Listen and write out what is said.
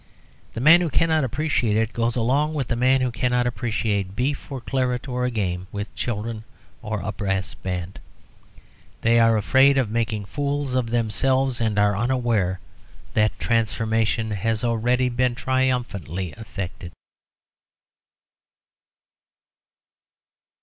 The man who cannot appreciate it goes along with the man who cannot appreciate beef or claret or a game with children or a brass band. They are afraid of making fools of themselves, and are unaware that that transformation has already been triumphantly effected.